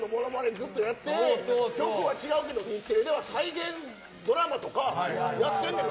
ずっとやって局は違うけど日テレでは再現ドラマとかやってんねん。